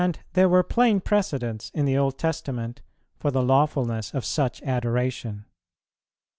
And there were plain precedents in the Old Testament for the lawfulness of such adoration.